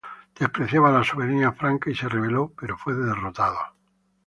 Despreciaba la soberanía franca y se rebeló, pero fue derrotado.